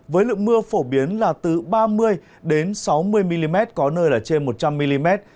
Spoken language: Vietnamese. với lượng mưa phổ biến là từ ba mươi sáu mươi mm có nơi là trên một trăm linh mm